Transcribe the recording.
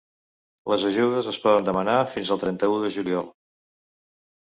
Les ajudes es poden demanar fins al trenta-u de juliol.